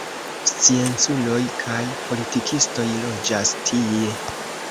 Scienculoj kaj politikistoj loĝas tie.